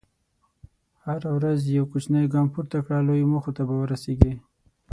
هره ورځ یو کوچنی ګام پورته کړه، لویو موخو ته به ورسېږې.